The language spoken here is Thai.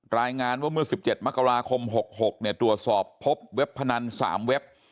รายงานว่าเมื่อ๑๗มกราคม๖๖ตรวจสอบพบเว็บพนัน๓เว็บ